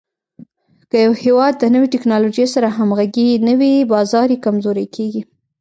که یو هېواد د نوې ټکنالوژۍ سره همغږی نه وي، بازار یې کمزوری کېږي.